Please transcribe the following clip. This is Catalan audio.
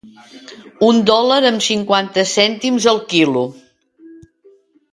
Un dòlar amb cinquanta cèntims el quilo.